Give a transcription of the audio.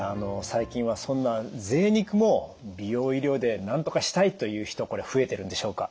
最近はそんなぜい肉も美容医療でなんとかしたいという人これ増えてるんでしょうか？